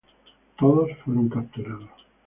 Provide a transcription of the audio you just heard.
Todos fueron capturados.